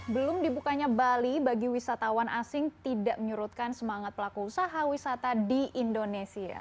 belum dibukanya bali bagi wisatawan asing tidak menyurutkan semangat pelaku usaha wisata di indonesia